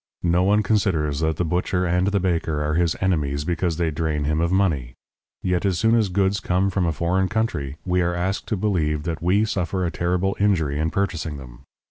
No one considers that the butcher and the baker are his enemies because they drain him of money. Yet as soon as goods come from a foreign country, we are asked to believe that we suffer a terrible injury in purchasing them.